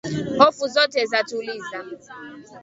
Hofu zote za tuliza